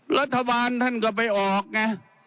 รัฐบาลท่านก็ไปออกไง